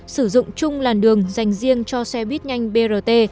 sử dụng chung làn đường dành riêng cho xe buýt nhanh brt